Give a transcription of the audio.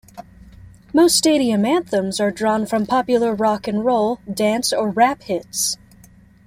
Most stadium anthems are drawn from popular rock and roll, dance or rap hits.